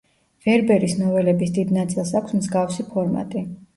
ვერბერის ნოველების დიდ ნაწილს აქვს მსგავსი ფორმატი.